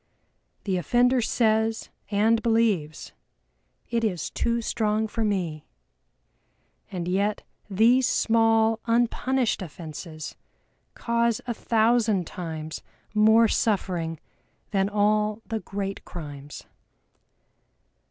The offender says and believes, "It is too strong for me" and yet these small unpunished offenses cause a thousand times more suffering than all the great crimes.